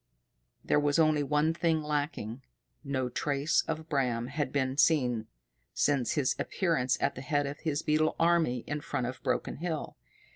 There was only one thing lacking. No trace of Bram had been seen since his appearance at the head of his beetle army in front of Broken Hill.